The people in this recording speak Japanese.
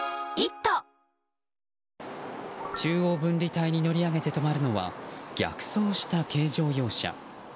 中央分離帯に乗り上げて止まるのは逆走した軽乗用車。